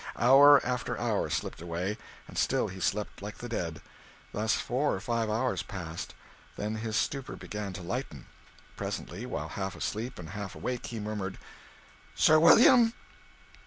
Hour after hour slipped away, and still he slept like the dead. Thus four or five hours passed. Then his stupor began to lighten. Presently, while half asleep and half awake, he murmured "Sir William!"